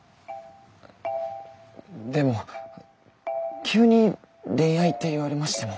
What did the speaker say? でも急に恋愛って言われましても。